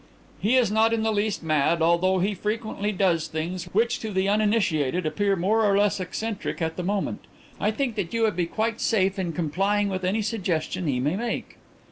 "'He is not in the least mad although he frequently does things which to the uninitiated appear more or less eccentric at the moment. I think that you would be quite safe in complying with any suggestion he may make.